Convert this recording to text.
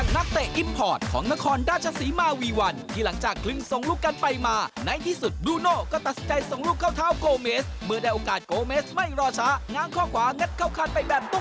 ในสัปดาห์ที่แล้วมาให้คุณผู้ชมได้ติดตามรับชมก่อนครับ